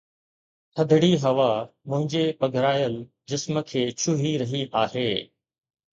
ٿڌڙي هوا منهنجي پگهرايل جسم کي ڇهي رهي آهي